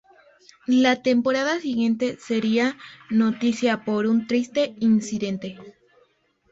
La temporada siguiente sería noticia por un triste incidente.